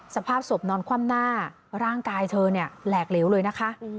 สภาพศพนอนคว่ำหน้าร่างกายเธอเนี่ยแหลกเหลวเลยนะคะ